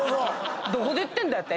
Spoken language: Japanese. どこで言ってんだよ